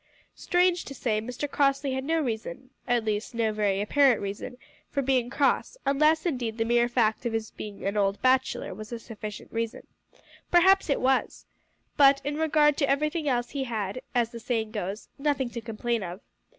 Strange to say Mr Crossley had no reason at least no very apparent reason for being cross, unless, indeed, the mere fact of his being an old bachelor was a sufficient reason. Perhaps it was! But in regard to everything else he had, as the saying goes, nothing to complain of.